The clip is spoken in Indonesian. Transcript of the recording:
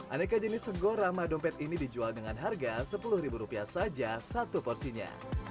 aneka jenis sego ramah dompet ini dijual dengan harga sepuluh ribu rupiah saja satu porsinya